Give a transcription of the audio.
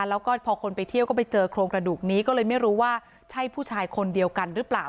แล้วก็พอคนไปเที่ยวก็ไปเจอโครงกระดูกนี้ก็เลยไม่รู้ว่าใช่ผู้ชายคนเดียวกันหรือเปล่า